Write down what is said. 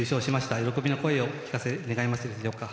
喜びの声をお聞かせ願えますでしょうか。